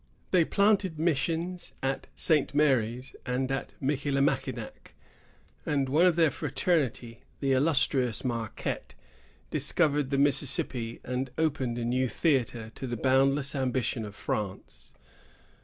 They planted missions at St. Mary's and at Michillimackinac; and one of their fraternity, the illustrious Marquette, discovered the Mississippi, and opened a new theatre to the boundless ambition of France.